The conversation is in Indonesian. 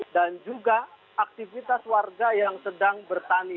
dan juga aktivitas warga yang sedang bertani